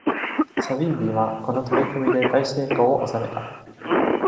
サヴィンビはこの取り組みで大成功を収めた。